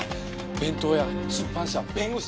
弁当屋出版社弁護士。